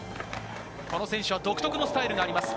この選手は独特のスタイルがあります。